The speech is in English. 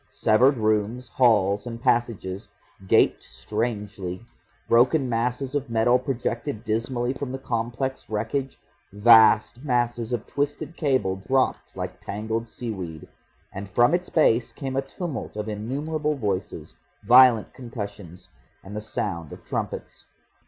Severed rooms, halls and passages gaped strangely, broken masses of metal projected dismally from the complex wreckage, vast masses of twisted cable dropped like tangled seaweed, and from its base came a tumult of innumerable voices, violent concussions, and the sound of trumpets.